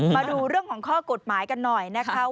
มาดูเรื่องของข้อกฎหมายกันหน่อยนะคะ